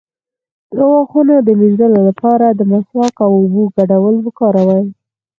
د غاښونو د مینځلو لپاره د مسواک او اوبو ګډول وکاروئ